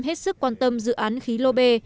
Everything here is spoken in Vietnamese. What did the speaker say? hết sức quan tâm dự án khí lô bê